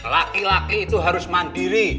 laki laki itu harus mandiri